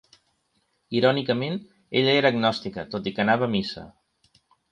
Irònicament, ella era agnòstica, tot i que anava a missa.